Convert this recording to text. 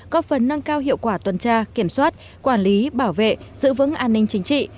có phần nâng cao hiệu quả tuần tra kiểm soát quản lý bảo vệ giữ vững an ninh chính trị